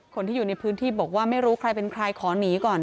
คนที่อยู่ในพื้นที่บอกว่าไม่รู้ใครเป็นใครขอหนีก่อน